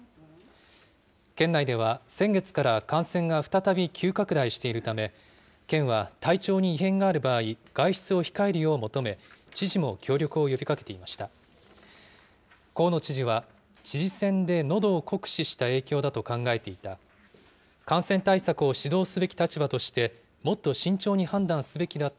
県内では先月から感染が再び急拡大しているため、県は体調に異変がある場合、外出を控えるよう求め、知事も協力を呼びかけていました。